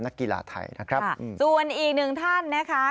นักกีฬาไทยนะครับส่วนอีกหนึ่งท่านนะคะ